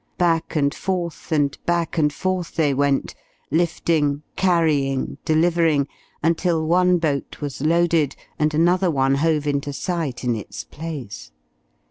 Back and forth and back and forth they went, lifting, carrying, delivering, until one boat was loaded, and another one hove into sight in its place.